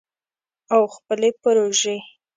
او خپلې پروژې